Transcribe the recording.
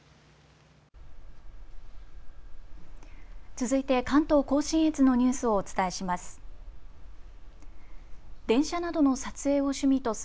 続いて関東甲信越のニュースをお伝えします。